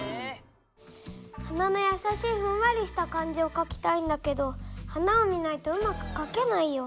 花のやさしいふんわりした感じをかきたいんだけど花を見ないとうまくかけないよ。